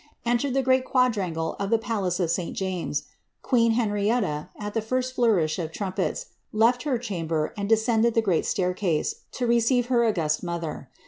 entered the great quadrangle of the palace of St. James, queen Henrietta, at the first flourish of trumpebi. led her chamber and descended the great staircase, to receive her august motlier.